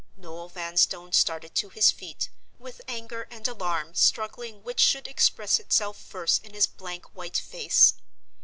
Noel Vanstone started to his feet, with anger and alarm struggling which should express itself first in his blank white face.